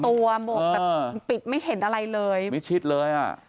เต็มตัวหมกแต่ปิดไม่เห็นอะไรเลยไม่ชิดเลย